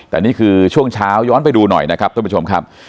แต่นี่คือช่วงเช้าย้อนไปดูหน่อยนะครับท่านผู้ชมครับ